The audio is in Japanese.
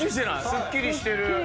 すっきりしてる。